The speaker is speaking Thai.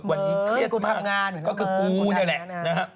วันนี้เครียดมากก็คือกูเนี่ยแหละ